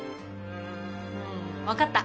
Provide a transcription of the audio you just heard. うん分かった。